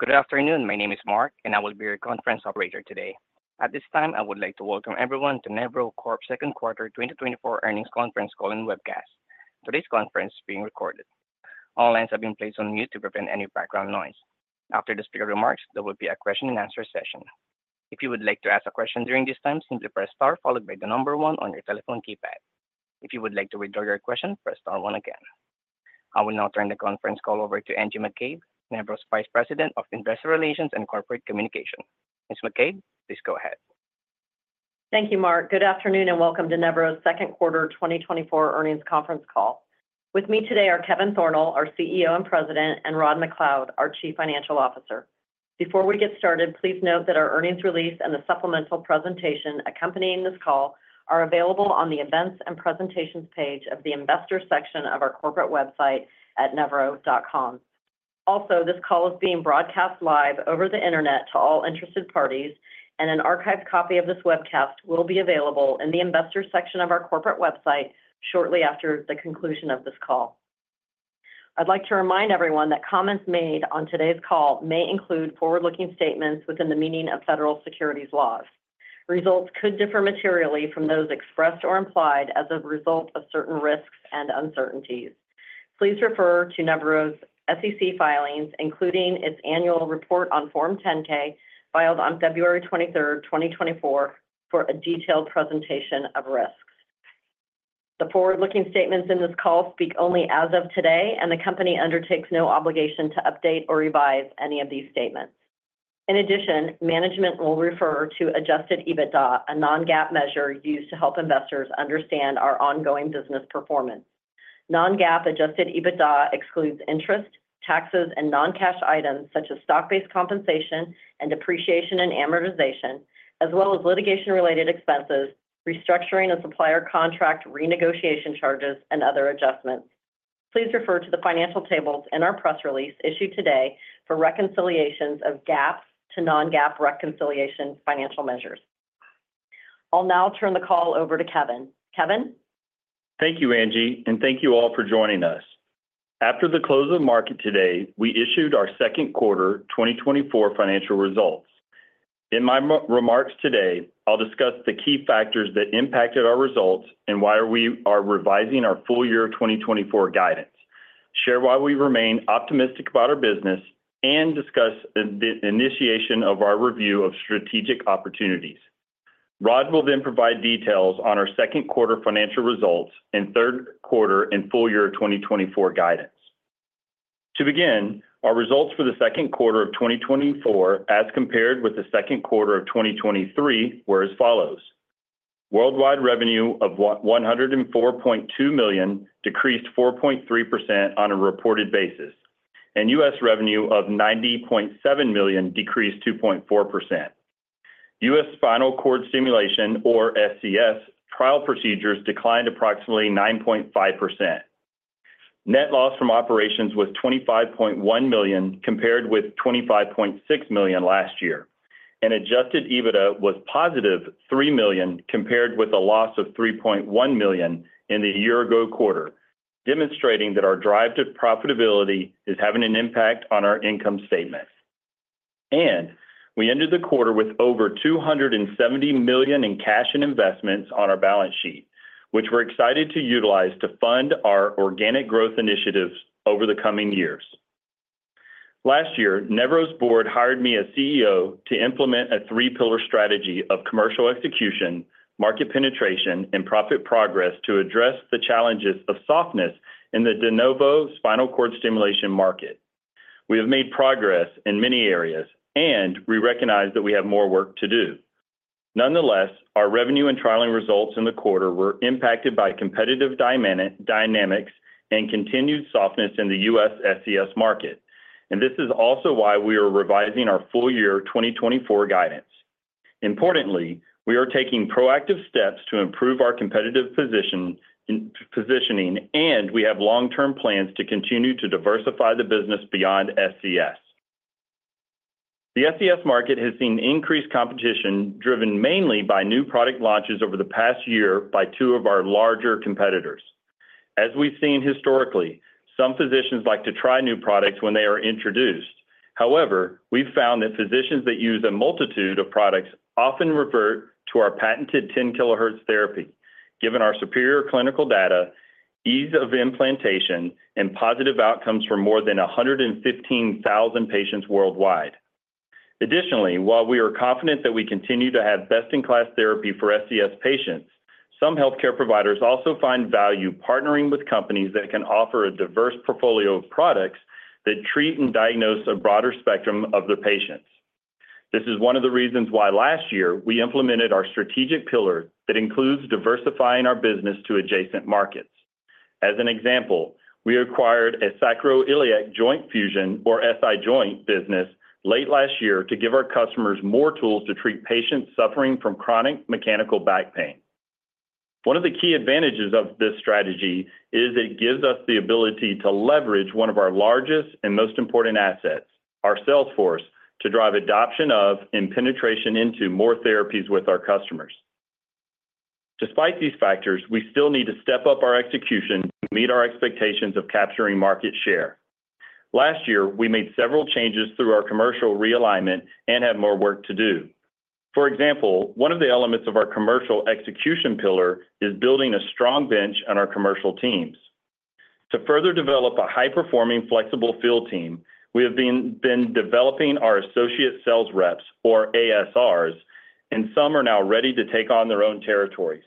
Good afternoon. My name is Mark, and I will be your conference operator today. At this time, I would like to welcome everyone to Nevro Corp.'s second quarter 2024 earnings conference call and webcast. Today's conference is being recorded. All lines have been placed on mute to prevent any background noise. After the speaker remarks, there will be a question and answer session. If you would like to ask a question during this time, simply press Star followed by the number one on your telephone keypad. If you would like to withdraw your question, press Star one again. I will now turn the conference call over to Angie McCabe, Nevro's Vice President of Investor Relations and Corporate Communications. Ms. McCabe, please go ahead. Thank you, Mark. Good afternoon, and welcome to Nevro's second quarter 2024 earnings conference call. With me today are Kevin Thornal, our CEO and President, and Rod MacLeod, our Chief Financial Officer. Before we get started, please note that our earnings release and the supplemental presentation accompanying this call are available on the Events and Presentations page of the Investors section of our corporate website at nevro.com. Also, this call is being broadcast live over the internet to all interested parties, and an archived copy of this webcast will be available in the Investors section of our corporate website shortly after the conclusion of this call. I'd like to remind everyone that comments made on today's call may include forward-looking statements within the meaning of federal securities laws. Results could differ materially from those expressed or implied as a result of certain risks and uncertainties. Please refer to Nevro's SEC filings, including its annual report on Form 10-K, filed on February 23, 2024, for a detailed presentation of risks. The forward-looking statements in this call speak only as of today, and the company undertakes no obligation to update or revise any of these statements. In addition, management will refer to Adjusted EBITDA, a non-GAAP measure used to help investors understand our ongoing business performance. Non-GAAP Adjusted EBITDA excludes interest, taxes, and non-cash items such as stock-based compensation and depreciation and amortization, as well as litigation-related expenses, restructuring and supplier contract renegotiation charges, and other adjustments. Please refer to the financial tables in our press release issued today for reconciliations of GAAP to non-GAAP reconciliation financial measures. I'll now turn the call over to Kevin. Kevin? Thank you, Angie, and thank you all for joining us. After the close of market today, we issued our second quarter 2024 financial results. In my remarks today, I'll discuss the key factors that impacted our results and why we are revising our full year 2024 guidance, share why we remain optimistic about our business, and discuss the initiation of our review of strategic opportunities. Rod will then provide details on our second quarter financial results and third quarter and full year 2024 guidance. To begin, our results for the second quarter of 2024, as compared with the second quarter of 2023, were as follows: worldwide revenue of $104.2 million decreased 4.3% on a reported basis, and US revenue of $90.7 million decreased 2.4%. U.S. spinal cord stimulation, or SCS, trial procedures declined approximately 9.5%. Net loss from operations was $25.1 million, compared with $25.6 million last year, and adjusted EBITDA was positive $3 million, compared with a loss of $3.1 million in the year-ago quarter, demonstrating that our drive to profitability is having an impact on our income statement. And we ended the quarter with over $270 million in cash and investments on our balance sheet, which we're excited to utilize to fund our organic growth initiatives over the coming years. Last year, Nevro's board hired me as CEO to implement a three-pillar strategy of commercial execution, market penetration, and profit progress to address the challenges of softness in the de novo spinal cord stimulation market. We have made progress in many areas, and we recognize that we have more work to do. Nonetheless, our revenue and trialing results in the quarter were impacted by competitive dynamics and continued softness in the U.S. SCS market, and this is also why we are revising our full-year 2024 guidance. Importantly, we are taking proactive steps to improve our competitive positioning, and we have long-term plans to continue to diversify the business beyond SCS. The SCS market has seen increased competition, driven mainly by new product launches over the past year by two of our larger competitors. As we've seen historically, some physicians like to try new products when they are introduced. However, we've found that physicians that use a multitude of products often revert to our patented 10 kHz therapy, given our superior clinical data, ease of implantation, and positive outcomes for more than 115,000 patients worldwide. Additionally, while we are confident that we continue to have best-in-class therapy for SCS patients, some healthcare providers also find value partnering with companies that can offer a diverse portfolio of products that treat and diagnose a broader spectrum of the patients. This is one of the reasons why last year we implemented our strategic pillar that includes diversifying our business to adjacent markets. As an example, we acquired a sacroiliac joint fusion, or SI joint, business late last year to give our customers more tools to treat patients suffering from chronic mechanical back pain. One of the key advantages of this strategy is it gives us the ability to leverage one of our largest and most important assets, our sales force, to drive adoption of and penetration into more therapies with our customers. Despite these factors, we still need to step up our execution to meet our expectations of capturing market share. Last year, we made several changes through our commercial realignment and have more work to do. For example, one of the elements of our commercial execution pillar is building a strong bench on our commercial teams. To further develop a high-performing, flexible field team, we have been developing our associate sales reps, or ASRs, and some are now ready to take on their own territories.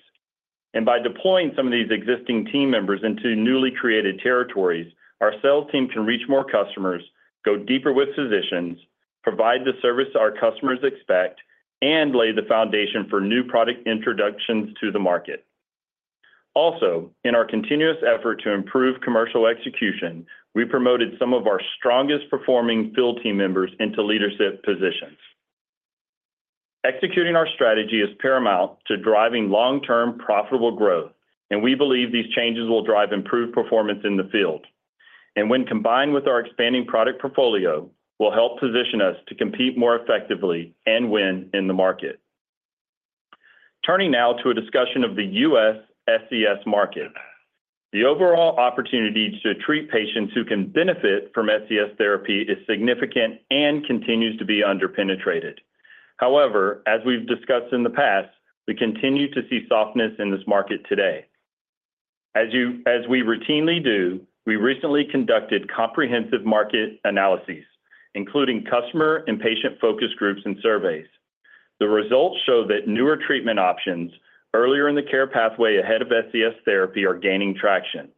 By deploying some of these existing team members into newly created territories, our sales team can reach more customers, go deeper with physicians, provide the service our customers expect, and lay the foundation for new product introductions to the market. Also, in our continuous effort to improve commercial execution, we promoted some of our strongest performing field team members into leadership positions. Executing our strategy is paramount to driving long-term profitable growth, and we believe these changes will drive improved performance in the field. And when combined with our expanding product portfolio, will help position us to compete more effectively and win in the market. Turning now to a discussion of the U.S. SCS market. The overall opportunities to treat patients who can benefit from SCS therapy is significant and continues to be under-penetrated. However, as we've discussed in the past, we continue to see softness in this market today. As we routinely do, we recently conducted comprehensive market analyses, including customer and patient focus groups and surveys. The results show that newer treatment options earlier in the care pathway ahead of SCS therapy are gaining traction.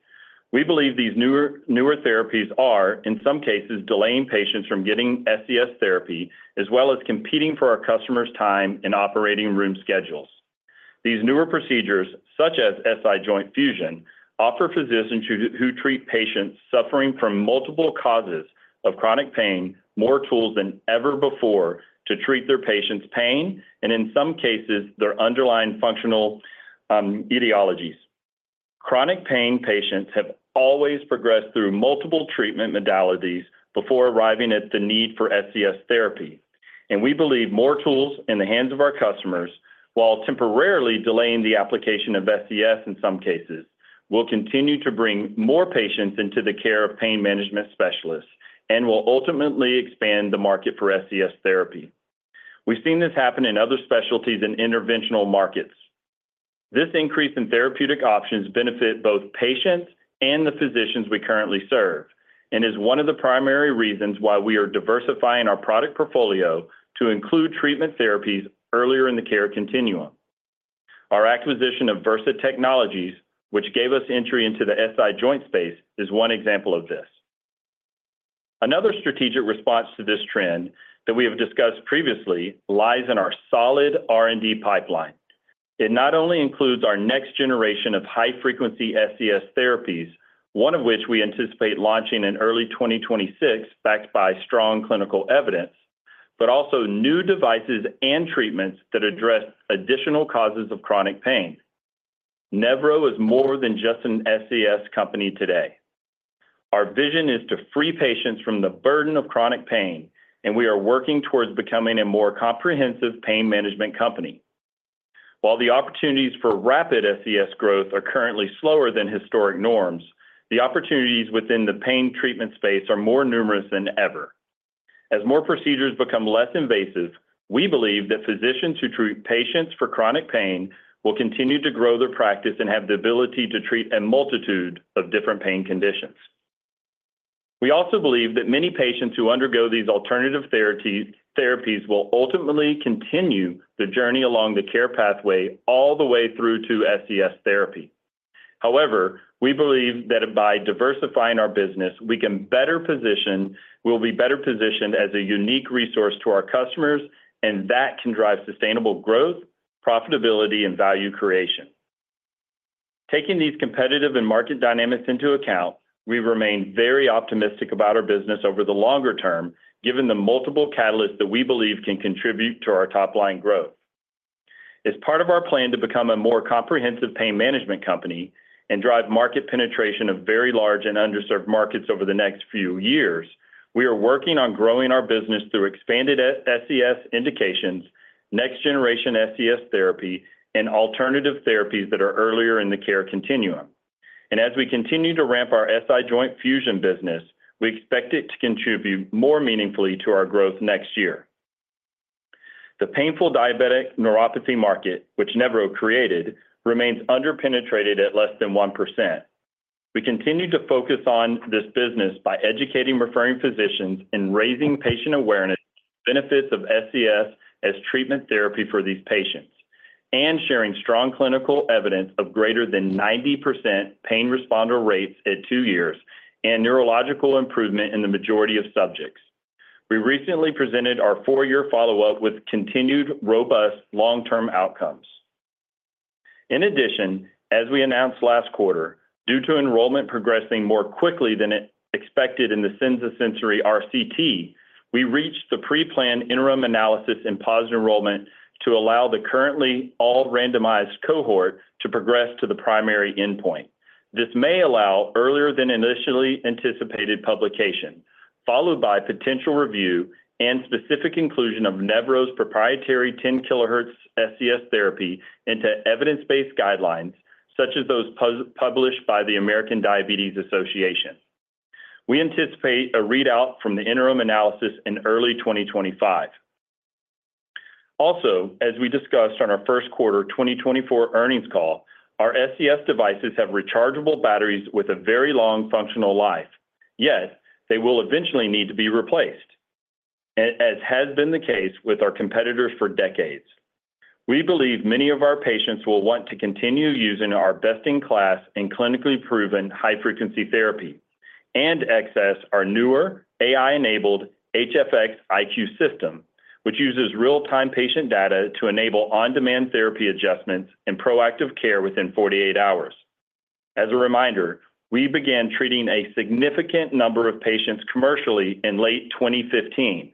We believe these newer, newer therapies are, in some cases, delaying patients from getting SCS therapy, as well as competing for our customers' time and operating room schedules. These newer procedures, such as SI joint fusion, offer physicians who treat patients suffering from multiple causes of chronic pain, more tools than ever before to treat their patients' pain, and in some cases, their underlying functional etiologies. Chronic pain patients have always progressed through multiple treatment modalities before arriving at the need for SCS therapy, and we believe more tools in the hands of our customers, while temporarily delaying the application of SCS in some cases, will continue to bring more patients into the care of pain management specialists and will ultimately expand the market for SCS therapy. We've seen this happen in other specialties in interventional markets. This increase in therapeutic options benefit both patients and the physicians we currently serve, and is one of the primary reasons why we are diversifying our product portfolio to include treatment therapies earlier in the care continuum. Our acquisition of Vyrsa Technologies, which gave us entry into the SI joint space, is one example of this. Another strategic response to this trend that we have discussed previously lies in our solid R&D pipeline. It not only includes our next generation of high-frequency SCS therapies, one of which we anticipate launching in early 2026, backed by strong clinical evidence, but also new devices and treatments that address additional causes of chronic pain. Nevro is more than just an SCS company today. Our vision is to free patients from the burden of chronic pain, and we are working towards becoming a more comprehensive pain management company. While the opportunities for rapid SCS growth are currently slower than historic norms, the opportunities within the pain treatment space are more numerous than ever. As more procedures become less invasive, we believe that physicians who treat patients for chronic pain will continue to grow their practice and have the ability to treat a multitude of different pain conditions. We also believe that many patients who undergo these alternative therapies will ultimately continue the journey along the care pathway all the way through to SCS therapy. However, we believe that by diversifying our business, we can better position, we'll be better positioned as a unique resource to our customers, and that can drive sustainable growth, profitability, and value creation. Taking these competitive and market dynamics into account, we remain very optimistic about our business over the longer term, given the multiple catalysts that we believe can contribute to our top-line growth. As part of our plan to become a more comprehensive pain management company and drive market penetration of very large and underserved markets over the next few years, we are working on growing our business through expanded SCS indications, next-generation SCS therapy, and alternative therapies that are earlier in the care continuum. As we continue to ramp our SI joint fusion business, we expect it to contribute more meaningfully to our growth next year. The painful diabetic neuropathy market, which Nevro created, remains under-penetrated at less than 1%. We continue to focus on this business by educating referring physicians and raising patient awareness, benefits of SCS as treatment therapy for these patients, and sharing strong clinical evidence of greater than 90% pain responder rates at 2 years, and neurological improvement in the majority of subjects. We recently presented our 4-year follow-up with continued robust long-term outcomes. In addition, as we announced last quarter, due to enrollment progressing more quickly than expected in the Senza Sensory RCT, we reached the pre-planned interim analysis and paused enrollment to allow the currently all-randomized cohort to progress to the primary endpoint. This may allow earlier than initially anticipated publication... followed by potential review and specific inclusion of Nevro's proprietary 10 kHz SCS therapy into evidence-based guidelines, such as those published by the American Diabetes Association. We anticipate a readout from the interim analysis in early 2025. Also, as we discussed on our first quarter 2024 earnings call, our SCS devices have rechargeable batteries with a very long functional life, yet they will eventually need to be replaced, as has been the case with our competitors for decades. We believe many of our patients will want to continue using our best-in-class and clinically proven high-frequency therapy and access our newer AI-enabled HFX iQ system, which uses real-time patient data to enable on-demand therapy adjustments and proactive care within 48 hours. As a reminder, we began treating a significant number of patients commercially in late 2015,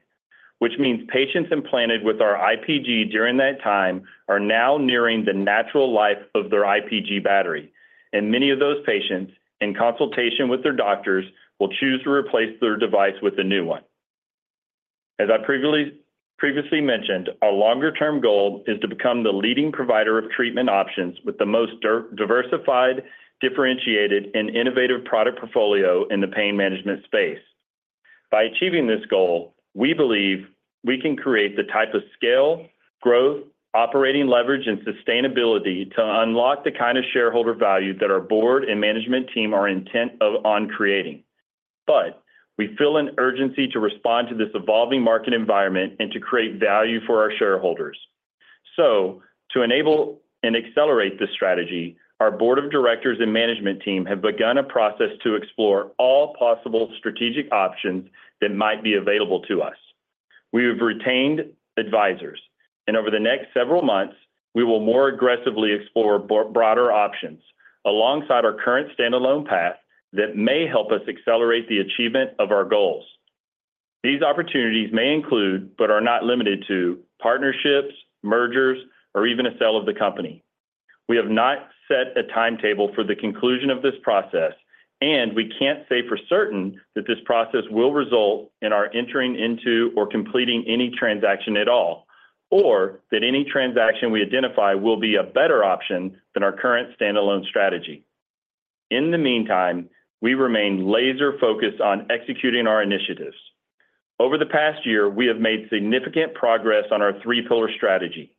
which means patients implanted with our IPG during that time are now nearing the natural life of their IPG battery, and many of those patients, in consultation with their doctors, will choose to replace their device with a new one. As I previously mentioned, our longer-term goal is to become the leading provider of treatment options with the most diversified, differentiated, and innovative product portfolio in the pain management space. By achieving this goal, we believe we can create the type of scale, growth, operating leverage, and sustainability to unlock the kind of shareholder value that our board and management team are intent on creating. But we feel an urgency to respond to this evolving market environment and to create value for our shareholders. So to enable and accelerate this strategy, our board of directors and management team have begun a process to explore all possible strategic options that might be available to us. We have retained advisors, and over the next several months, we will more aggressively explore broader options alongside our current standalone path that may help us accelerate the achievement of our goals. These opportunities may include, but are not limited to, partnerships, mergers, or even a sale of the company. We have not set a timetable for the conclusion of this process, and we can't say for certain that this process will result in our entering into or completing any transaction at all, or that any transaction we identify will be a better option than our current standalone strategy. In the meantime, we remain laser-focused on executing our initiatives. Over the past year, we have made significant progress on our three-pillar strategy.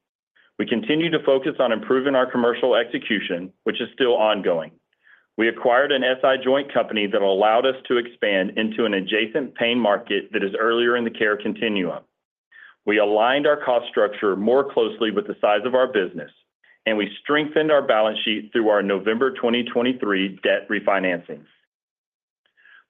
We continue to focus on improving our commercial execution, which is still ongoing. We acquired an SI joint company that allowed us to expand into an adjacent pain market that is earlier in the care continuum. We aligned our cost structure more closely with the size of our business, and we strengthened our balance sheet through our November 2023 debt refinancing.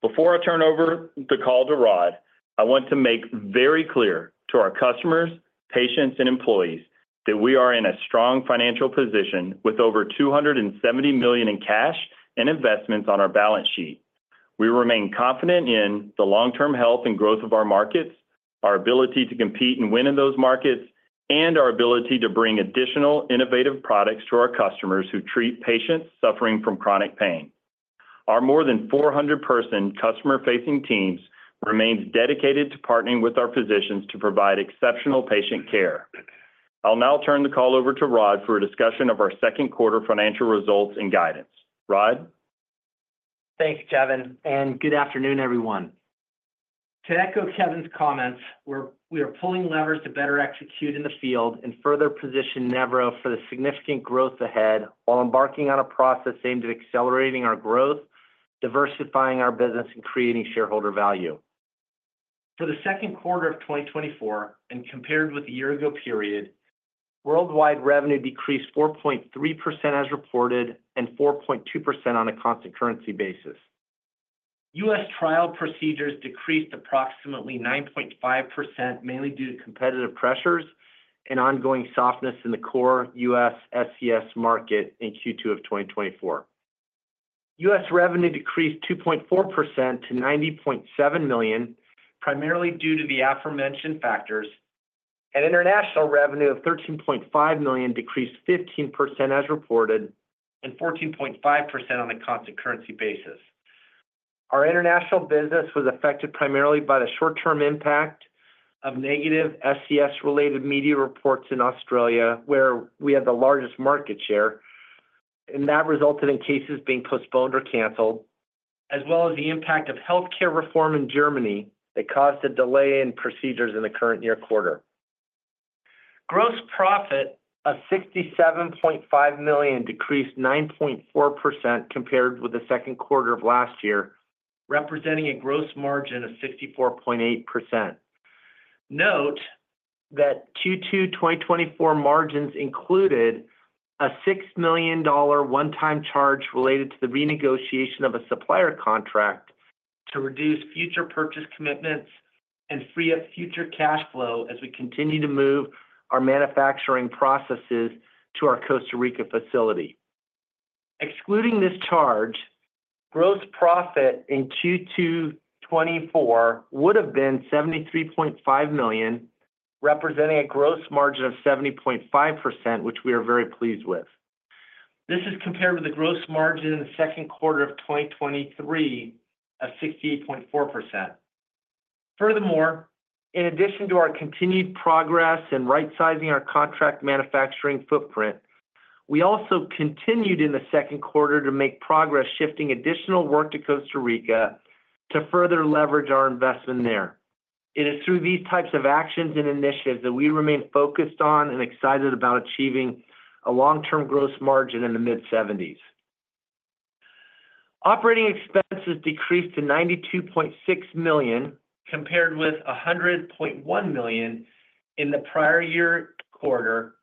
Before I turn over the call to Rod, I want to make very clear to our customers, patients, and employees that we are in a strong financial position with over $270 million in cash and investments on our balance sheet. We remain confident in the long-term health and growth of our markets, our ability to compete and win in those markets, and our ability to bring additional innovative products to our customers who treat patients suffering from chronic pain. Our more than 400 person customer-facing teams remains dedicated to partnering with our physicians to provide exceptional patient care. I'll now turn the call over to Rod for a discussion of our second quarter financial results and guidance. Rod? Thanks, Kevin, and good afternoon, everyone. To echo Kevin's comments, we are pulling levers to better execute in the field and further position Nevro for the significant growth ahead while embarking on a process aimed at accelerating our growth, diversifying our business, and creating shareholder value. For the second quarter of 2024 and compared with the year ago period, worldwide revenue decreased 4.3% as reported and 4.2% on a constant currency basis. U.S. trial procedures decreased approximately 9.5%, mainly due to competitive pressures and ongoing softness in the core U.S. SCS market in Q2 of 2024. U.S. revenue decreased 2.4% to $90.7 million, primarily due to the aforementioned factors, and international revenue of $13.5 million decreased 15% as reported and 14.5% on a constant currency basis. Our international business was affected primarily by the short-term impact of negative SCS-related media reports in Australia, where we had the largest market share, and that resulted in cases being postponed or canceled, as well as the impact of healthcare reform in Germany that caused a delay in procedures in the current year quarter. Gross profit of $67.5 million decreased 9.4% compared with the second quarter of last year, representing a gross margin of 64.8%. Note that Q2 2024 margins included a $6 million one-time charge related to the renegotiation of a supplier contract to reduce future purchase commitments and free up future cash flow as we continue to move our manufacturing processes to our Costa Rica facility. Excluding this charge, gross profit in Q2 2024 would have been $73.5 million, representing a gross margin of 70.5%, which we are very pleased with. This is compared with the gross margin in the second quarter of 2023 of 68.4%. Furthermore, in addition to our continued progress in rightsizing our contract manufacturing footprint, we also continued in the second quarter to make progress, shifting additional work to Costa Rica to further leverage our investment there. It is through these types of actions and initiatives that we remain focused on and excited about achieving a long-term gross margin in the mid-70s. Operating expenses decreased to $92.6 million, compared with $100.1 million in the prior year quarter,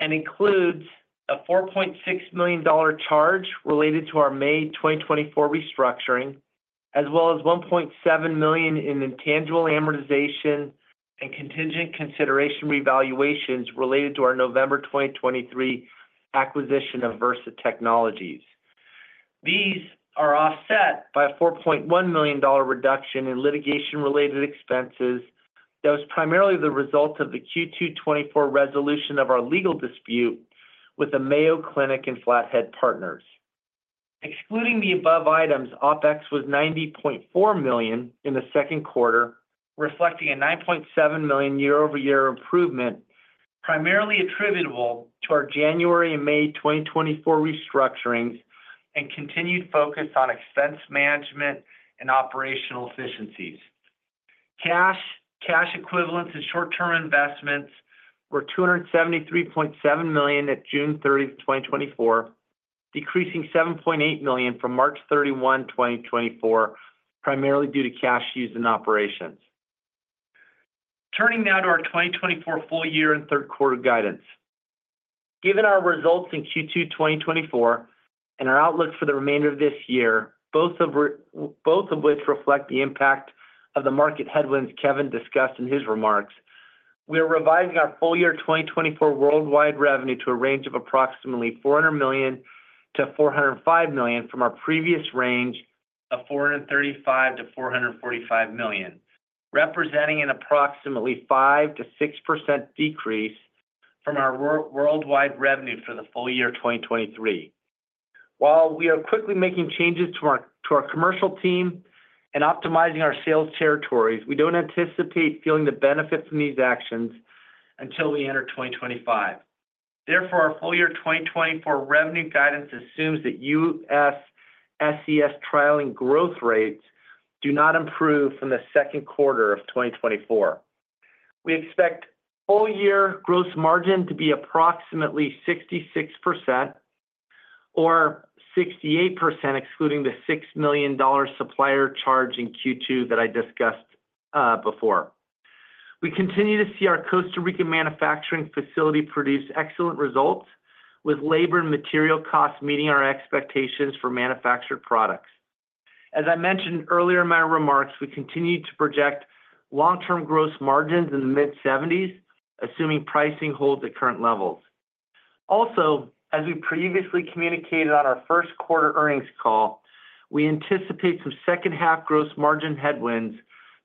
and includes a $4.6 million charge related to our May 2024 restructuring, as well as $1.7 million in intangible amortization and contingent consideration revaluations related to our November 2023 acquisition of Vyrsa Technologies. These are offset by a $4.1 million reduction in litigation-related expenses. That was primarily the result of the Q2 2024 resolution of our legal dispute with the Mayo Clinic and Flathead Partners. Excluding the above items, OpEx was $90.4 million in the second quarter, reflecting a $9.7 million year-over-year improvement, primarily attributable to our January and May 2024 restructurings and continued focus on expense management and operational efficiencies. Cash, cash equivalents and short-term investments were $273.7 million at June 30, 2024, decreasing $7.8 million from March 31, 2024, primarily due to cash use in operations. Turning now to our 2024 full year and third quarter guidance. Given our results in Q2 2024 and our outlook for the remainder of this year, both of which reflect the impact of the market headwinds Kevin discussed in his remarks, we are revising our full year 2024 worldwide revenue to a range of approximately $400 million-$405 million from our previous range of $435 million-$445 million, representing an approximately 5%-6% decrease from our worldwide revenue for the full year 2023. While we are quickly making changes to our commercial team and optimizing our sales territories, we don't anticipate feeling the benefits from these actions until we enter 2025. Therefore, our full year 2024 revenue guidance assumes that US SCS trialing growth rates do not improve from the second quarter of 2024. We expect full year gross margin to be approximately 66% or 68%, excluding the $6 million supplier charge in Q2 that I discussed before. We continue to see our Costa Rican manufacturing facility produce excellent results, with labor and material costs meeting our expectations for manufactured products. As I mentioned earlier in my remarks, we continue to project long-term gross margins in the mid-70s%, assuming pricing holds at current levels. Also, as we previously communicated on our first quarter earnings call, we anticipate some second half gross margin headwinds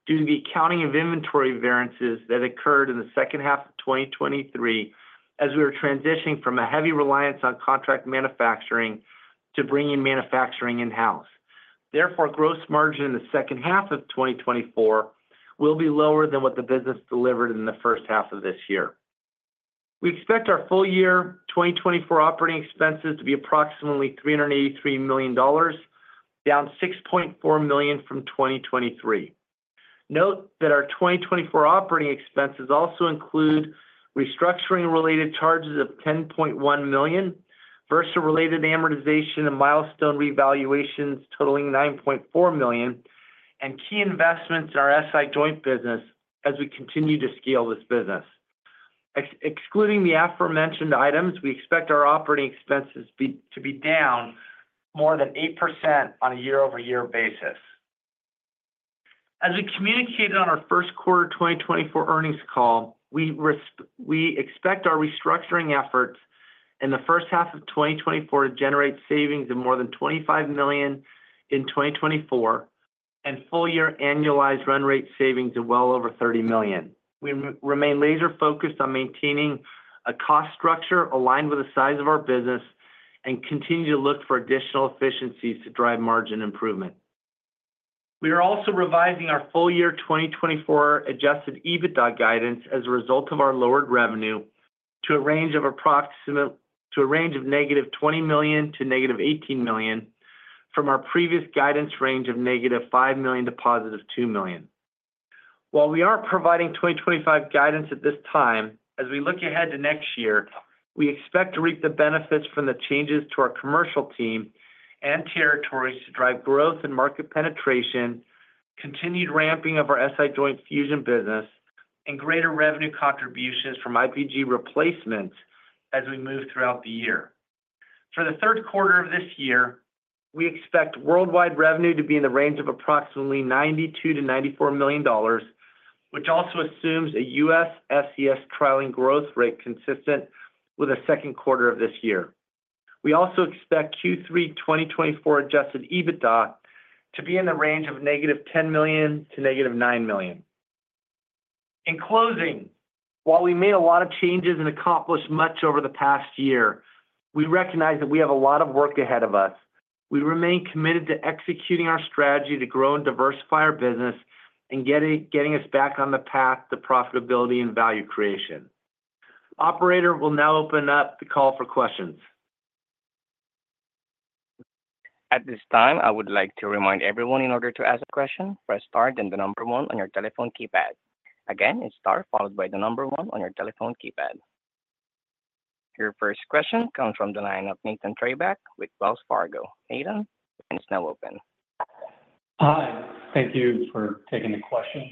due to the accounting of inventory variances that occurred in the second half of 2023, as we were transitioning from a heavy reliance on contract manufacturing to bringing manufacturing in-house. Therefore, gross margin in the second half of 2024 will be lower than what the business delivered in the first half of this year. We expect our full year 2024 operating expenses to be approximately $383 million, down $6.4 million from 2023. Note that our 2024 operating expenses also include restructuring related charges of $10.1 million, Versa related amortization and milestone revaluations totaling $9.4 million, and key investments in our SI joint business as we continue to scale this business. Excluding the aforementioned items, we expect our operating expenses to be down more than 8% on a year-over-year basis. As we communicated on our first quarter 2024 earnings call, we expect our restructuring efforts in the first half of 2024 to generate savings of more than $25 million in 2024, and full year annualized run rate savings of well over $30 million. We remain laser focused on maintaining a cost structure aligned with the size of our business and continue to look for additional efficiencies to drive margin improvement. We are also revising our full year 2024 adjusted EBITDA guidance as a result of our lowered revenue to a range of -$20 million to -$18 million from our previous guidance range of -$5 million to $2 million. While we aren't providing 2025 guidance at this time, as we look ahead to next year, we expect to reap the benefits from the changes to our commercial team and territories to drive growth and market penetration, continued ramping of our SI Joint Fusion business, and greater revenue contributions from IPG replacements as we move throughout the year. For the third quarter of this year, we expect worldwide revenue to be in the range of approximately $92 million-$94 million, which also assumes a US SCS trialing growth rate consistent with the second quarter of this year. We also expect Q3 2024 Adjusted EBITDA to be in the range of -$10 million to -$9 million. In closing, while we made a lot of changes and accomplished much over the past year, we recognize that we have a lot of work ahead of us. We remain committed to executing our strategy to grow and diversify our business and getting us back on the path to profitability and value creation. Operator, we'll now open up the call for questions. At this time, I would like to remind everyone, in order to ask a question, press Star, then the number one on your telephone keypad. Again, it's Star, followed by the number one on your telephone keypad. Your first question comes from the line of Nathan Trebeck with Wells Fargo. Nathan, it's now open. Hi, thank you for taking the question.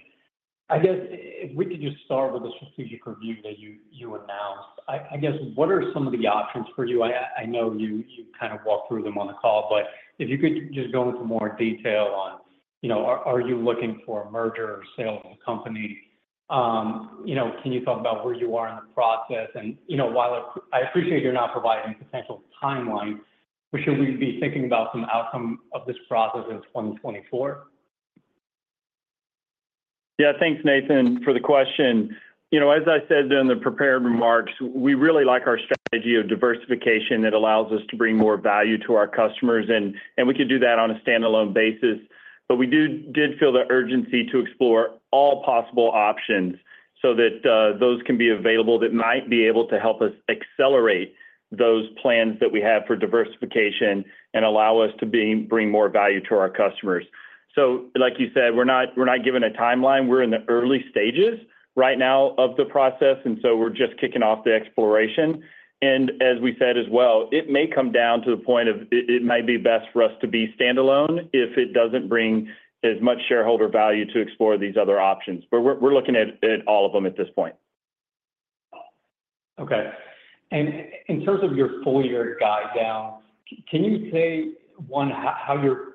I guess if we could just start with the strategic review that you announced. I guess, what are some of the options for you? I know you kind of walked through them on the call, but if you could just go into more detail on, you know, are you looking for a merger or sale of the company? You know, can you talk about where you are in the process? And, you know, while I appreciate you're not providing potential timelines, but should we be thinking about some outcome of this process in 2024? Yeah. Thanks, Nathan, for the question. You know, as I said during the prepared remarks, we really like our strategy of diversification that allows us to bring more value to our customers, and we could do that on a standalone basis. But we did feel the urgency to explore all possible options so that those can be available that might be able to help us accelerate those plans that we have for diversification and allow us to bring more value to our customers. So like you said, we're not given a timeline. We're in the early stages right now of the process, and so we're just kicking off the exploration. As we said as well, it may come down to the point of it, it might be best for us to be standalone if it doesn't bring as much shareholder value to explore these other options. But we're looking at all of them at this point. Okay. And in terms of your full year guide down, can you say, one, how your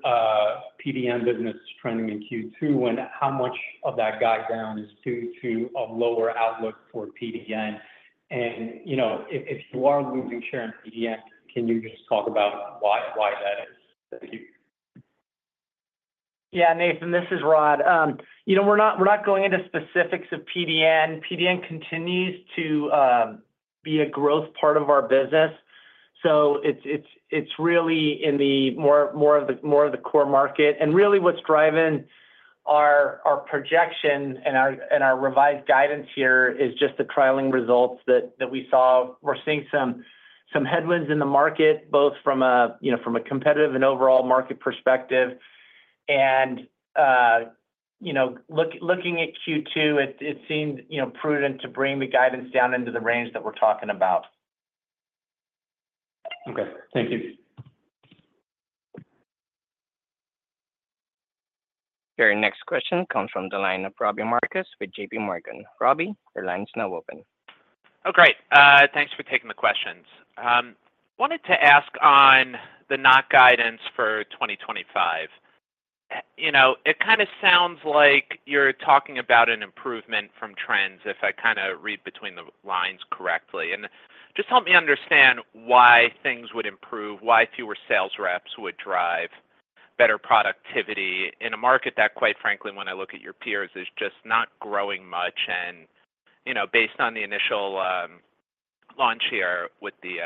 PDN business is trending in Q2, and how much of that guide down is due to a lower outlook for PDN? And, you know, if you are losing share in PDN, can you just talk about why that is? Thank you. Yeah, Nathan, this is Rod. You know, we're not, we're not going into specifics of PDN. PDN continues to be a growth part of our business, so it's really in the more of the core market. And really, what's driving our projection and our revised guidance here is just the trialing results that we saw. We're seeing some headwinds in the market, both from a, you know, from a competitive and overall market perspective. And, you know, looking at Q2, it seemed, you know, prudent to bring the guidance down into the range that we're talking about. Okay. Thank you. Your next question comes from the line of Robbie Marcus with JP Morgan. Robbie, your line is now open. Oh, great. Thanks for taking the questions. Wanted to ask on the Q4 guidance for 2025. You know, it kinda sounds like you're talking about an improvement from trends, if I kinda read between the lines correctly. And just help me understand why things would improve, why fewer sales reps would drive better productivity in a market that, quite frankly, when I look at your peers, is just not growing much, and, you know, based on the initial launch here with the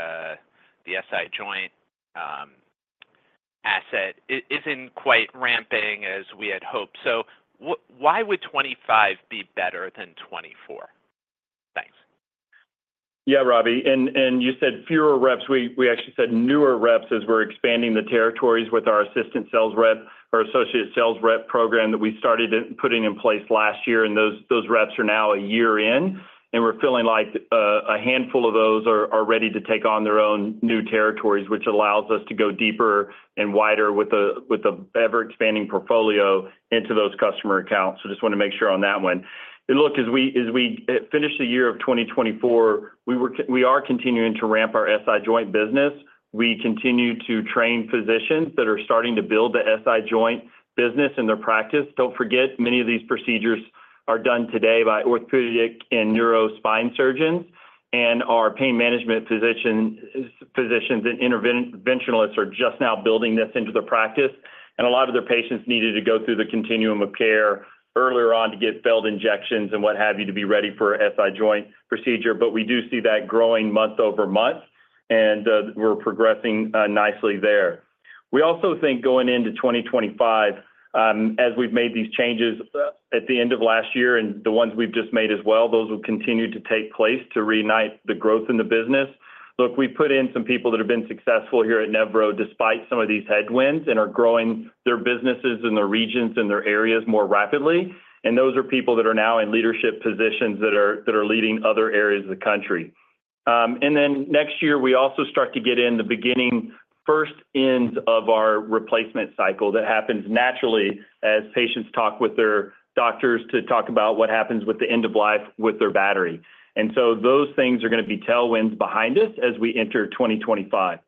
SI joint asset, isn't quite ramping as we had hoped. So why would 2025 be better than 2024? Thanks. Yeah, Robbie. And you said fewer reps. We actually said newer reps, as we're expanding the territories with our assistant sales rep or associate sales rep program that we started putting in place last year, and those reps are now a year in. And we're feeling like a handful of those are ready to take on their own new territories, which allows us to go deeper and wider with the ever-expanding portfolio into those customer accounts. So just want to make sure on that one. And look, as we finish the year of 2024, we are continuing to ramp our SI joint business. We continue to train physicians that are starting to build the SI joint business in their practice. Don't forget, many of these procedures are done today by orthopedic and neurospine surgeons, and our pain management physician, physicians and interventionalists are just now building this into their practice. And a lot of their patients needed to go through the continuum of care earlier on to get failed injections and what have you, to be ready for SI joint procedure. But we do see that growing month-over-month, and, we're progressing, nicely there. We also think going into 2025, as we've made these changes at the end of last year and the ones we've just made as well, those will continue to take place to reignite the growth in the business. Look, we put in some people that have been successful here at Nevro despite some of these headwinds and are growing their businesses in their regions and their areas more rapidly. Those are people that are now in leadership positions that are leading other areas of the country. And then next year, we also start to get in the beginning, first ends of our replacement cycle. That happens naturally as patients talk with their doctors to talk about what happens with the end of life with their battery. So those things are gonna be tailwinds behind us as we enter 2025.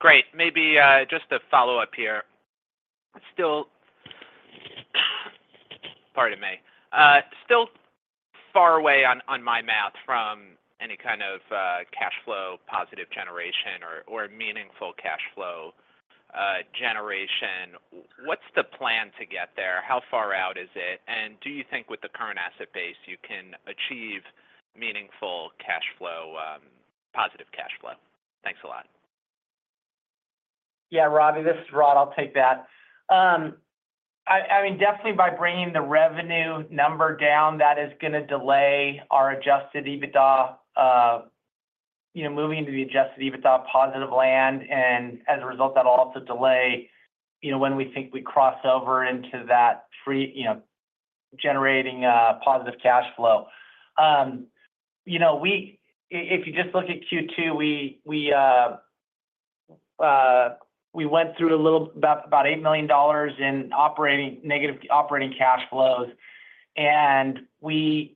Great. Maybe, just a follow-up here. Still, pardon me. Still far away on my math from any kind of generation or meaningful cash flow generation. What's the plan to get there? How far out is it? And do you think with the current asset base, you can achieve meaningful cash flow, positive cash flow? Thanks a lot. Yeah, Robbie, this is Rod. I'll take that. I mean, definitely by bringing the revenue number down, that is gonna delay our adjusted EBITDA, you know, moving to the adjusted EBITDA positive land, and as a result, that'll also delay, you know, when we think we cross over into that free, you know, generating positive cash flow. If you just look at Q2, we went through about $8 million in negative operating cash flows. And we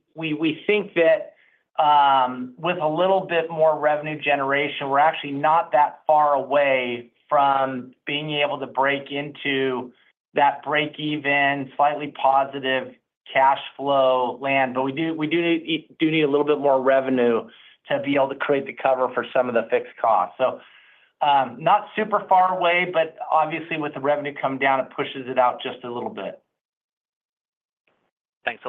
think that, with a little bit more revenue generation, we're actually not that far away from being able to break into that break-even, slightly positive cash flow land. But we do need a little bit more revenue to be able to create the cover for some of the fixed costs. So, not super far away, but obviously, with the revenue coming down, it pushes it out just a little bit. Thanks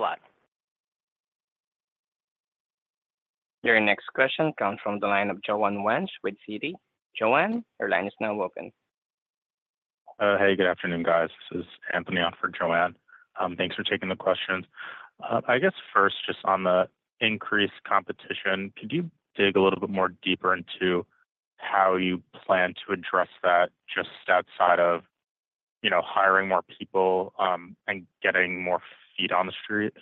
a lot. Your next question comes from the line of Joanne Wuensch with Citi. Joanne, your line is now open. Hey, good afternoon, guys. This is Anthony on for Joanne. Thanks for taking the questions. I guess first, just on the increased competition, could you dig a little bit more deeper into how you plan to address that, just outside of, you know, hiring more people, and getting more feet on the street?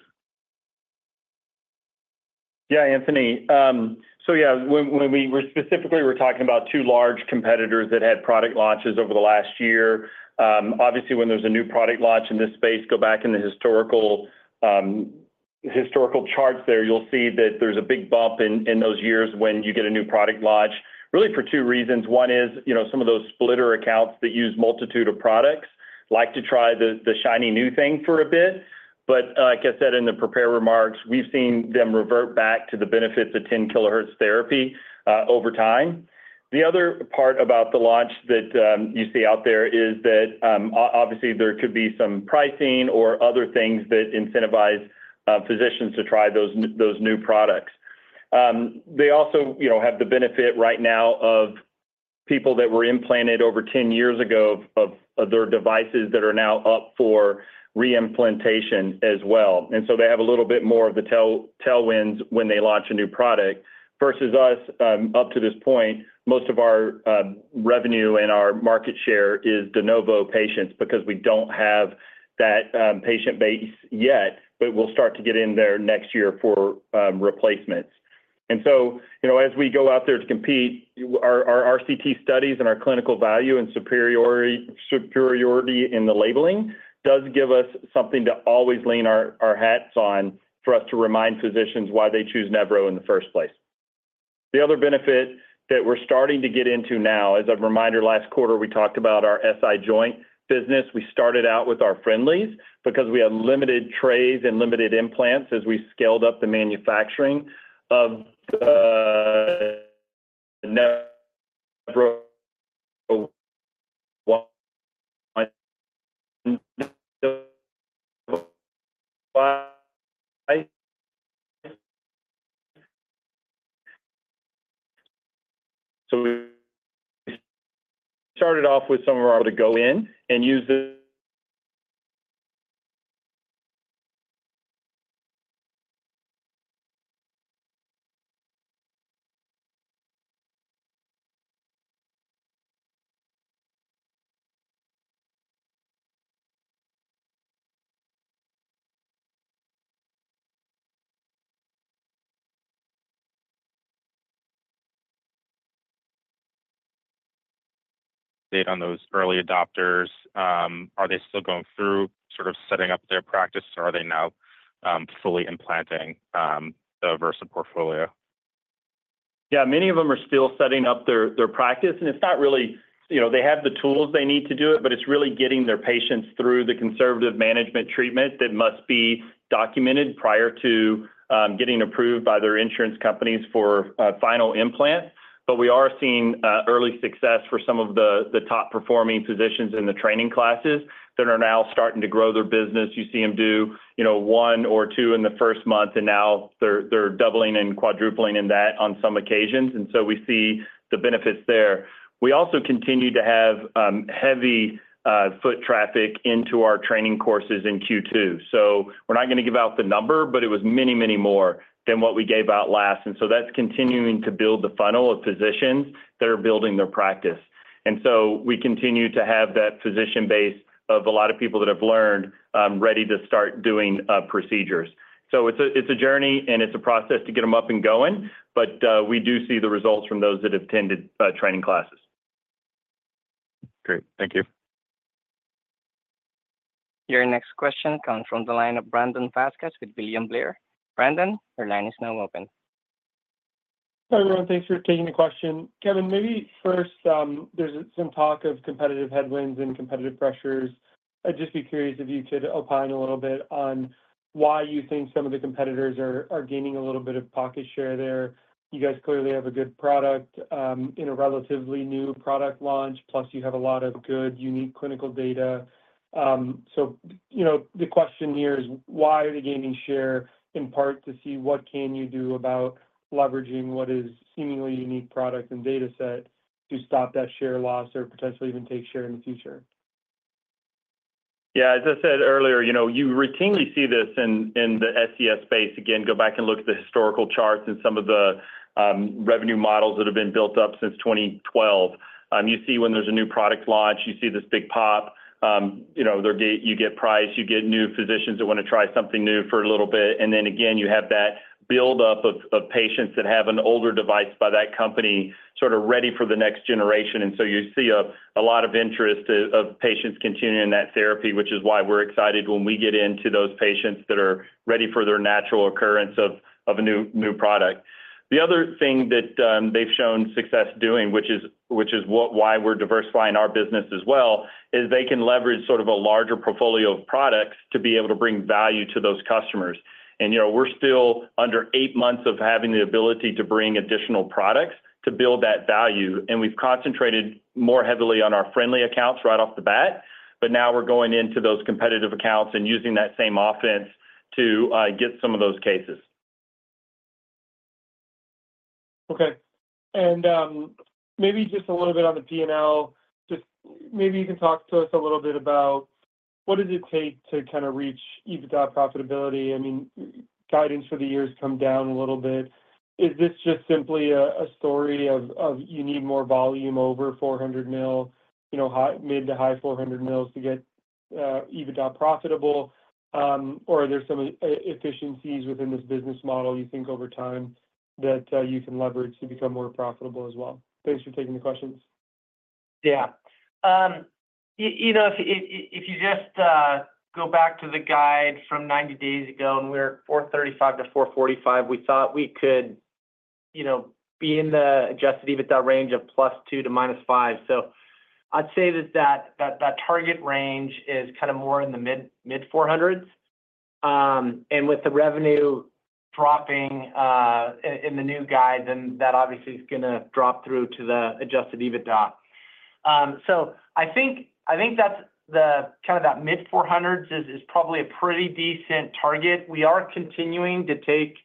Yeah, Anthony. So yeah, when we were specifically, we're talking about two large competitors that had product launches over the last year. Obviously, when there's a new product launch in this space, go back in the historical charts there, you'll see that there's a big bump in those years when you get a new product launch, really for two reasons. One is, you know, some of those splitter accounts that use multitude of products like to try the shiny new thing for a bit. But like I said, in the prepared remarks, we've seen them revert back to the benefits of 10 kHz therapy over time. The other part about the launch that you see out there is that obviously, there could be some pricing or other things that incentivize physicians to try those new products. They also, you know, have the benefit right now of people that were implanted over 10 years ago of their devices that are now up for re-implantation as well. And so they have a little bit more of the tailwinds when they launch a new product, versus us, up to this point, most of our revenue and our market share is de novo patients because we don't have that patient base yet, but we'll start to get in there next year for replacements. And so, you know, as we go out there to compete, our RCT studies and our clinical value and superiority in the labeling does give us something to always lean our hats on, for us to remind physicians why they choose Nevro in the first place. The other benefit that we're starting to get into now, as a reminder, last quarter, we talked about our SI joint business. We started out with our friendlies because we have limited trays and limited implants as we scaled up the manufacturing of Nevro. So we started off with some of our to go in and use the- Data on those early adopters, are they still going through sort of setting up their practice, or are they now fully implanting the Versa portfolio? Yeah, many of them are still setting up their practice, and it's not really... You know, they have the tools they need to do it, but it's really getting their patients through the conservative management treatment that must be documented prior to getting approved by their insurance companies for final implant. But we are seeing early success for some of the top-performing physicians in the training classes that are now starting to grow their business. You see them do, you know, one or two in the first month, and now they're doubling and quadrupling in that on some occasions. And so we see the benefits there. We also continue to have heavy foot traffic into our training courses in Q2. So we're not gonna give out the number, but it was many, many more than what we gave out last. And so that's continuing to build the funnel of physicians that are building their practice. And so we continue to have that physician base of a lot of people that have learned ready to start doing procedures. So it's a, it's a journey, and it's a process to get them up and going, but we do see the results from those that have attended training classes. Great. Thank you. Your next question comes from the line of Brandon Vazquez with William Blair. Brandon, your line is now open.... Hi, everyone. Thanks for taking the question. Kevin, maybe first, there's some talk of competitive headwinds and competitive pressures. I'd just be curious if you could opine a little bit on why you think some of the competitors are gaining a little bit of market share there. You guys clearly have a good product in a relatively new product launch, plus you have a lot of good, unique clinical data. So, you know, the question here is, why are they gaining share, in part, to see what can you do about leveraging what is seemingly a unique product and data set to stop that share loss or potentially even take share in the future? Yeah, as I said earlier, you know, you routinely see this in the SCS space. Again, go back and look at the historical charts and some of the revenue models that have been built up since 2012. You see when there's a new product launch, you see this big pop, you know, you get price, you get new physicians that want to try something new for a little bit. And then again, you have that build-up of patients that have an older device by that company sort of ready for the next generation. And so you see a lot of interest of patients continuing that therapy, which is why we're excited when we get into those patients that are ready for their natural occurrence of a new product. The other thing that, they've shown success doing, which is what—why we're diversifying our business as well, is they can leverage sort of a larger portfolio of products to be able to bring value to those customers. And, you know, we're still under eight months of having the ability to bring additional products to build that value, and we've concentrated more heavily on our friendly accounts right off the bat. But now we're going into those competitive accounts and using that same offense to, get some of those cases. Okay. And, maybe just a little bit on the P&L. Just maybe you can talk to us a little bit about what does it take to kinda reach EBITDA profitability? I mean, guidance for the year has come down a little bit. Is this just simply a story of you need more volume over $400 million, you know, mid- to high $400 million to get EBITDA profitable? Or are there some efficiencies within this business model you think over time that you can leverage to become more profitable as well? Thanks for taking the questions. Yeah. You know, if you just go back to the guide from 90 days ago, and we're at $435-$445, we thought we could, you know, be in the Adjusted EBITDA range of +2 to -5. So I'd say that target range is kinda more in the mid 400s. And with the revenue dropping in the new guide, then that obviously is gonna drop through to the Adjusted EBITDA. So I think that's the kinda that mid 400s is probably a pretty decent target. We are continuing to take,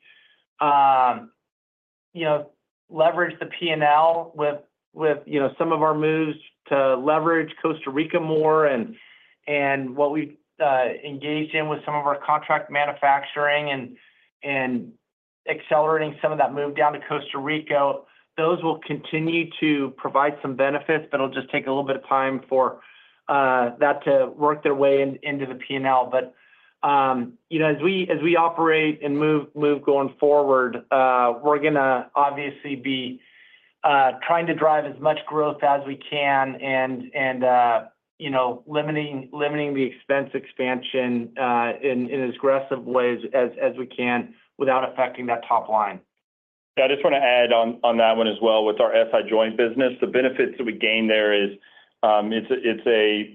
you know, leverage the P&L with, with, you know, some of our moves to leverage Costa Rica more and, and what we've engaged in with some of our contract manufacturing and, and accelerating some of that move down to Costa Rica. Those will continue to provide some benefits, but it'll just take a little bit of time for that to work their way into the P&L. But, you know, as we operate and move going forward, we're gonna obviously be trying to drive as much growth as we can and, and, you know, limiting the expense expansion in as aggressive ways as we can without affecting that top line. I just want to add on, on that one as well with our SI joint business. The benefits that we gain there is, it's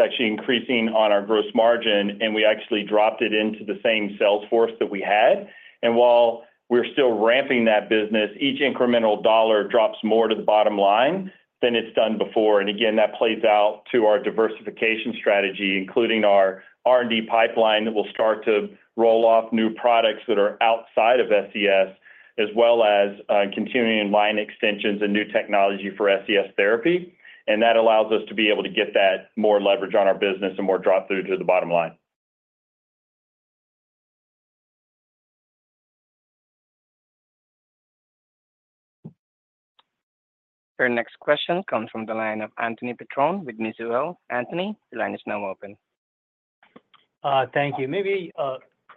actually increasing on our gross margin, and we actually dropped it into the same sales force that we had. And while we're still ramping that business, each incremental dollar drops more to the bottom line than it's done before. And again, that plays out to our diversification strategy, including our R&D pipeline, that will start to roll off new products that are outside of SCS, as well as continuing line extensions and new technology for SCS therapy. And that allows us to be able to get that more leverage on our business and more drop-through to the bottom line. Your next question comes from the line of Anthony Petrone with Mizuho. Anthony, the line is now open. Thank you. Maybe a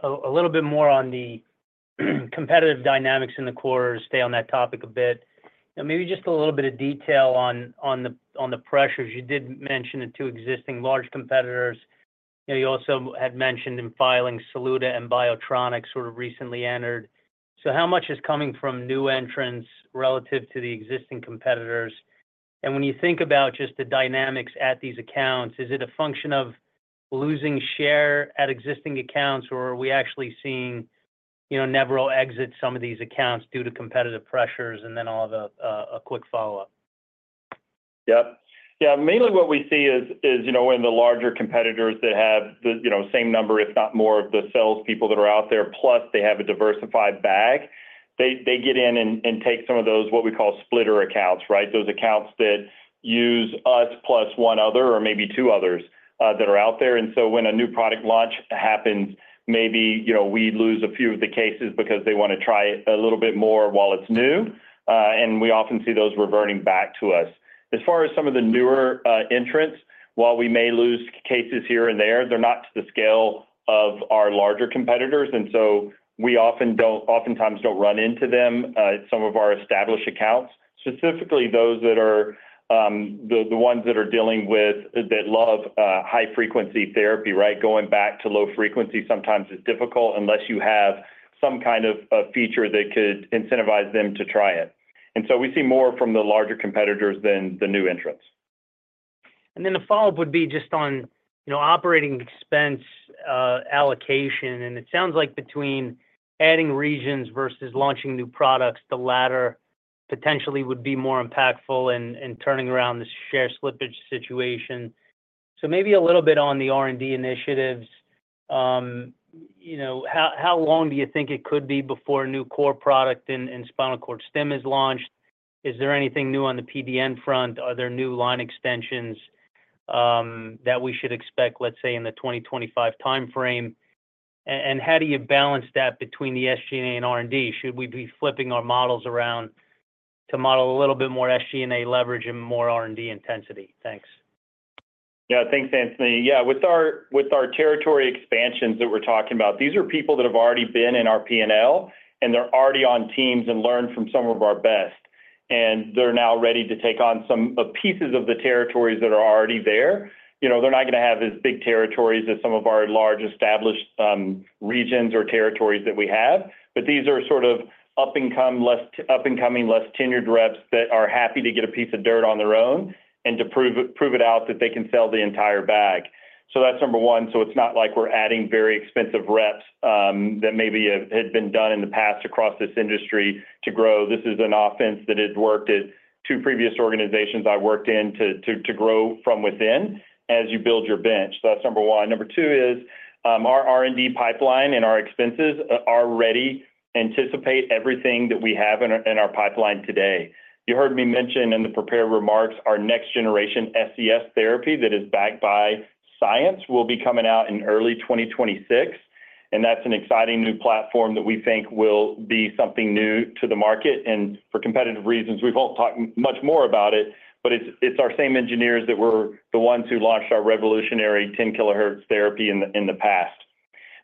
little bit more on the competitive dynamics in the quarter to stay on that topic a bit. And maybe just a little bit of detail on the pressures. You did mention the two existing large competitors. You also had mentioned in filing Saluda and Biotronik sort of recently entered. So how much is coming from new entrants relative to the existing competitors? And when you think about just the dynamics at these accounts, is it a function of losing share at existing accounts, or are we actually seeing, you know, Nevro exit some of these accounts due to competitive pressures? And then I'll have a quick follow-up. Yep. Yeah, mainly what we see is, you know, when the larger competitors that have the, you know, same number, if not more, of the salespeople that are out there, plus they have a diversified bag, they get in and take some of those, what we call splitter accounts, right? Those accounts that use us plus one other or maybe two others that are out there. So when a new product launch happens, maybe, you know, we lose a few of the cases because they want to try it a little bit more while it's new. We often see those reverting back to us. As far as some of the newer entrants, while we may lose cases here and there, they're not to the scale of our larger competitors, and so we often don't... Oftentimes don't run into them at some of our established accounts, specifically those that are the ones that are dealing with that love high-frequency therapy, right? Going back to low frequency sometimes is difficult unless you have some kind of a feature that could incentivize them to try it. And so we see more from the larger competitors than the new entrants.... And then the follow-up would be just on, you know, operating expense allocation. And it sounds like between adding regions versus launching new products, the latter potentially would be more impactful in turning around the share slippage situation. So maybe a little bit on the R&D initiatives. You know, how long do you think it could be before a new core product in spinal cord stim is launched? Is there anything new on the PDN front? Are there new line extensions that we should expect, let's say, in the 2025 timeframe? And how do you balance that between the SG&A and R&D? Should we be flipping our models around to model a little bit more SG&A leverage and more R&D intensity? Thanks. Yeah, thanks, Anthony. Yeah, with our territory expansions that we're talking about, these are people that have already been in our P&L, and they're already on teams and learned from some of our best, and they're now ready to take on some pieces of the territories that are already there. You know, they're not gonna have as big territories as some of our large established regions or territories that we have, but these are sort of up-and-coming, less tenured reps that are happy to get a piece of dirt on their own and to prove it, prove it out that they can sell the entire bag. So that's number one, so it's not like we're adding very expensive reps that maybe have had been done in the past across this industry to grow. This is an offense that had worked at two previous organizations I worked in to grow from within as you build your bench. So that's number one. Number two is our R&D pipeline and our expenses are ready, anticipate everything that we have in our pipeline today. You heard me mention in the prepared remarks, our next generation SCS therapy that is backed by science will be coming out in early 2026, and that's an exciting new platform that we think will be something new to the market. And for competitive reasons, we won't talk much more about it, but it's our same engineers that were the ones who launched our revolutionary 10 kilohertz therapy in the past.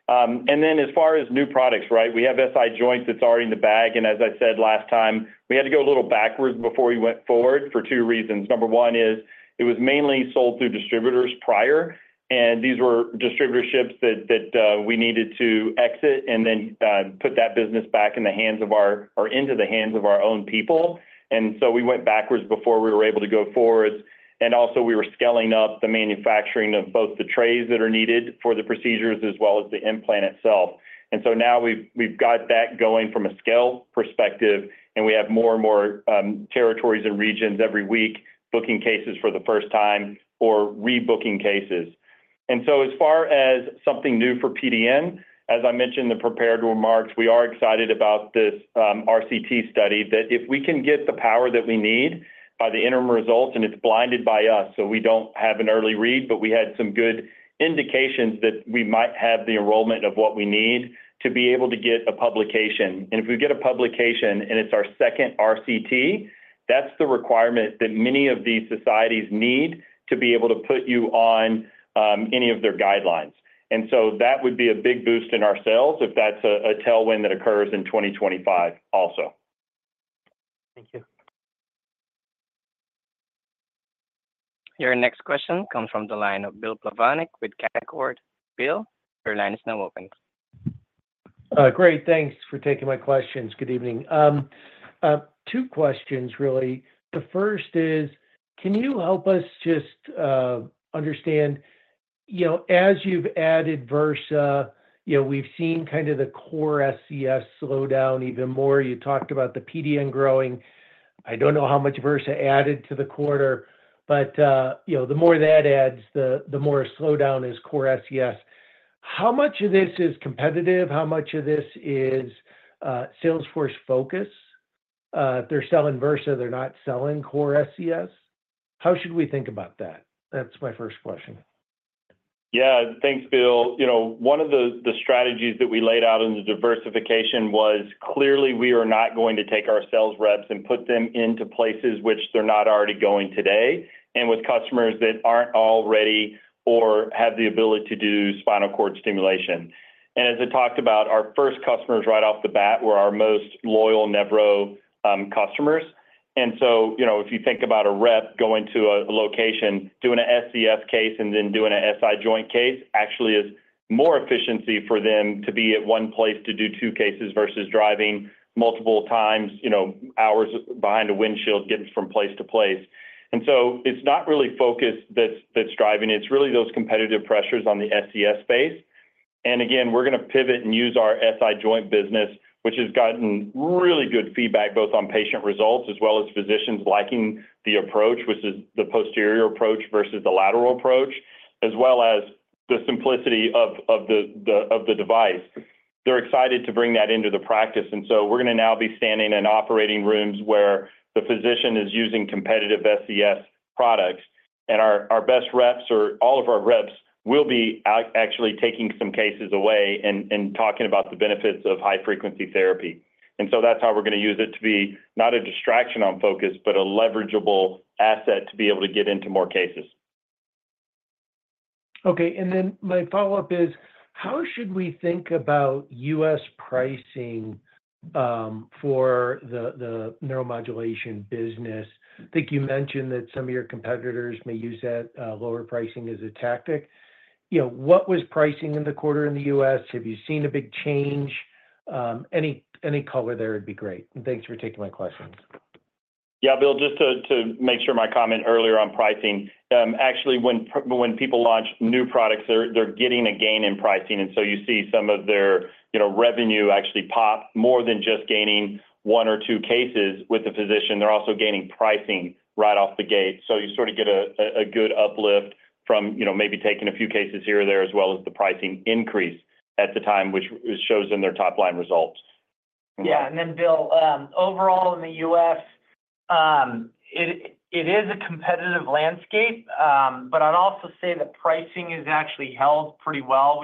And then as far as new products, right? We have SI joint that's already in the bag, and as I said last time, we had to go a little backwards before we went forward for two reasons. Number one is it was mainly sold through distributors prior, and these were distributorships that we needed to exit and then put that business back in the hands of our or into the hands of our own people. And so we went backwards before we were able to go forwards. And also, we were scaling up the manufacturing of both the trays that are needed for the procedures as well as the implant itself. And so now we've got that going from a scale perspective, and we have more and more territories and regions every week, booking cases for the first time or rebooking cases. As far as something new for PDN, as I mentioned in the prepared remarks, we are excited about this RCT study, that if we can get the power that we need by the interim results, and it's blinded by us, so we don't have an early read, but we had some good indications that we might have the enrollment of what we need to be able to get a publication. If we get a publication, and it's our second RCT, that's the requirement that many of these societies need to be able to put you on any of their guidelines. So that would be a big boost in our sales if that's a tailwind that occurs in 2025 also. Thank you. Your next question comes from the line of Bill Plovanic with Canaccord. Bill, your line is now open. Great. Thanks for taking my questions. Good evening. Two questions, really. The first is, can you help us just understand, you know, as you've added Versa, you know, we've seen kind of the core SCS slow down even more. You talked about the PDN growing. I don't know how much Versa added to the quarter, but, you know, the more that adds, the more a slowdown is core SCS. How much of this is competitive? How much of this is sales force focus? If they're selling Versa, they're not selling core SCS. How should we think about that? That's my first question. Yeah. Thanks, Bill. You know, one of the strategies that we laid out in the diversification was clearly we are not going to take our sales reps and put them into places which they're not already going today, and with customers that aren't already or have the ability to do spinal cord stimulation. And as I talked about, our first customers right off the bat were our most loyal Nevro customers. And so, you know, if you think about a rep going to a location, doing an SCS case and then doing an SI joint case, actually is more efficiency for them to be at one place to do two cases versus driving multiple times, you know, hours behind a windshield, getting from place to place. And so it's not really focused. That's driving. It's really those competitive pressures on the SCS space. And again, we're gonna pivot and use our SI joint business, which has gotten really good feedback, both on patient results as well as physicians liking the approach, which is the posterior approach versus the lateral approach, as well as the simplicity of the device. They're excited to bring that into the practice, and so we're gonna now be standing in operating rooms where the physician is using competitive SCS products, and our best reps or all of our reps will be actually taking some cases away and talking about the benefits of high frequency therapy. And so that's how we're gonna use it to be not a distraction on focus, but a leverageable asset to be able to get into more cases. Okay, and then my follow-up is: How should we think about US pricing for the neuromodulation business? I think you mentioned that some of your competitors may use that lower pricing as a tactic. You know, what was pricing in the quarter in the US? Have you seen a big change? Any color there would be great. Thanks for taking my questions. Yeah, Bill, just to make sure my comment earlier on pricing. Actually, when people launch new products, they're getting a gain in pricing, and so you see some of their, you know, revenue actually pop more than just gaining one or two cases with the physician. They're also gaining pricing right off the gate. So you sort of get a good uplift from, you know, maybe taking a few cases here or there, as well as the pricing increase at the time, which shows in their top line results. Yeah. And then, Bill, overall in the U.S., it is a competitive landscape, but I'd also say that pricing has actually held pretty well.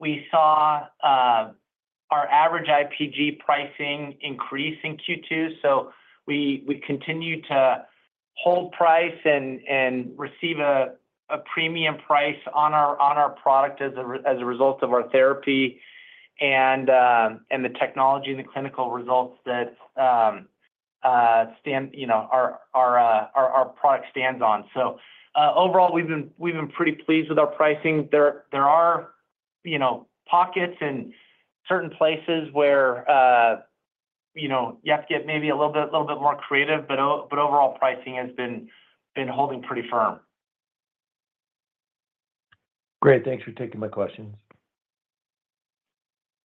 We saw our average IPG pricing increase in Q2, so we continue to hold price and receive a premium price on our product as a result of our therapy and the technology and the clinical results that stand, you know, our product stands on. So, overall, we've been pretty pleased with our pricing. There are, you know, pockets and certain places where, you know, you have to get maybe a little bit more creative, but overall pricing has been holding pretty firm. Great, thanks for taking my questions.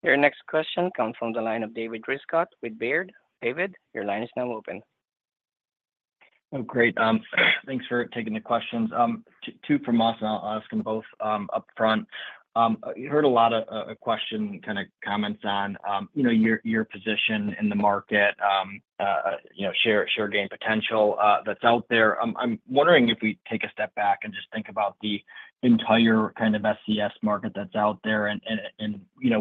Your next question comes from the line of David Rescott with Baird. David, your line is now open. Oh, great. Thanks for taking the questions. Two from us, and I'll ask them both, upfront. You heard a lot of questions, kind of comments on, you know, your position in the market, you know, share gain potential, that's out there. I'm wondering if we take a step back and just think about the entire kind of SCS market that's out there and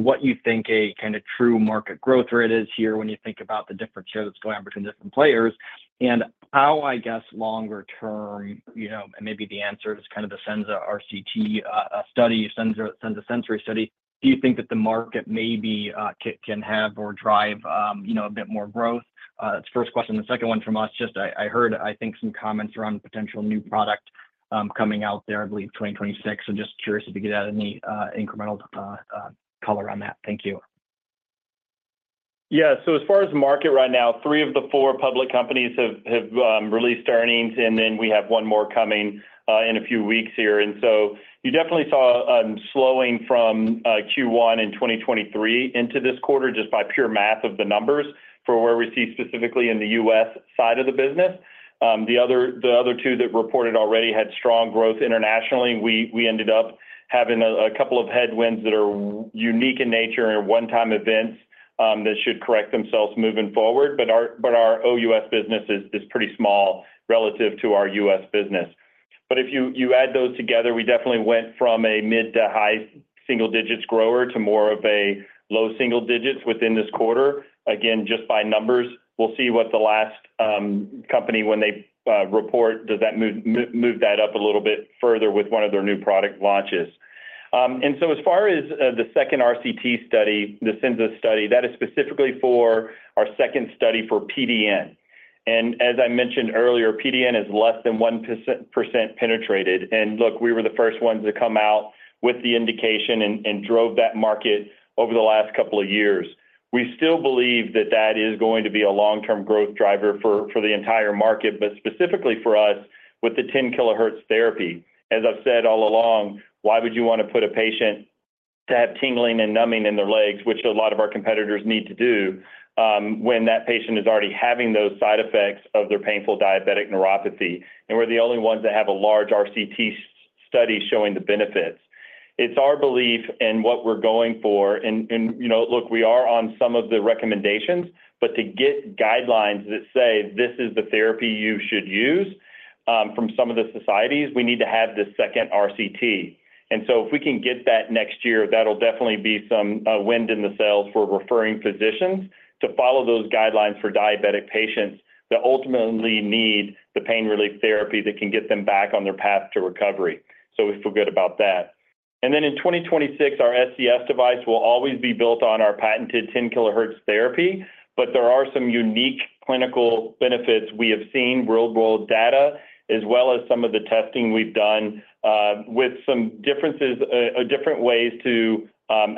what you think a kind of true market growth rate is here when you think about the different share that's going on between different players. And how, I guess, longer term, you know, and maybe the answer is kind of the Senza Sensory RCT study. Do you think that the market maybe can have or drive, you know, a bit more growth? That's the first question. The second one from us, just I heard, I think, some comments around potential new product coming out there, I believe 2026. So just curious if you get out of any incremental color on that. Thank you. Yeah. So as far as market right now, three of the four public companies have released earnings, and then we have one more coming in a few weeks here. So you definitely saw a slowing from Q1 in 2023 into this quarter, just by pure math of the numbers for where we see specifically in the U.S. side of the business. The other two that reported already had strong growth internationally. We ended up having a couple of headwinds that are unique in nature and are one-time events that should correct themselves moving forward. But our OUS business is pretty small relative to our U.S. business. But if you add those together, we definitely went from a mid to high single digits grower to more of a low single digits within this quarter. Again, just by numbers. We'll see what the last company when they report does that move that up a little bit further with one of their new product launches. And so as far as the second RCT study, the Senza study, that is specifically for our second study for PDN. And as I mentioned earlier, PDN is less than 1% penetrated. And look, we were the first ones to come out with the indication and drove that market over the last couple of years. We still believe that that is going to be a long-term growth driver for the entire market, but specifically for us, with the 10 kHz therapy. As I've said all along, why would you want to put a patient to have tingling and numbing in their legs, which a lot of our competitors need to do, when that patient is already having those side effects of their painful diabetic neuropathy? And we're the only ones that have a large RCT study showing the benefits. It's our belief in what we're going for. And, and, you know, look, we are on some of the recommendations, but to get guidelines that say, "This is the therapy you should use," from some of the societies, we need to have this second RCT. And so if we can get that next year, that'll definitely be some, wind in the sails for referring physicians to follow those guidelines for diabetic patients that ultimately need the pain relief therapy that can get them back on their path to recovery. So we feel good about that. And then in 2026, our SCS device will always be built on our patented 10 kHz therapy, but there are some unique clinical benefits. We have seen real-world data, as well as some of the testing we've done, with some differences, different ways to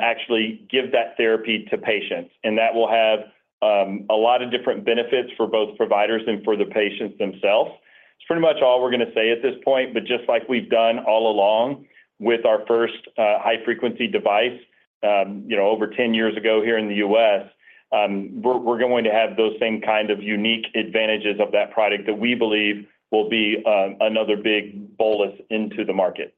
actually give that therapy to patients, and that will have a lot of different benefits for both providers and for the patients themselves. It's pretty much all we're gonna say at this point, but just like we've done all along with our first high-frequency device, you know, over 10 years ago here in the U.S., we're going to have those same kind of unique advantages of that product that we believe will be another big bolus into the market.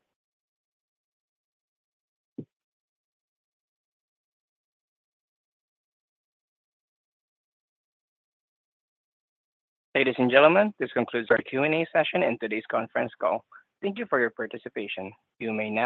Ladies and gentlemen, this concludes our Q&A session and today's conference call. Thank you for your participation. You may now-